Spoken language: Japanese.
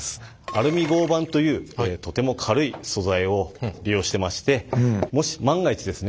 アルミ合板というとても軽い素材を利用してましてもし万が一ですね